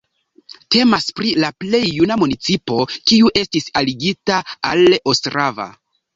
Temas pri la plej juna municipo, kiu estis aligita al Ostrava.